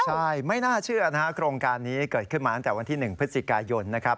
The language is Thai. ใช่ไม่น่าเชื่อนะครับโครงการนี้เกิดขึ้นมาตั้งแต่วันที่๑พฤศจิกายนนะครับ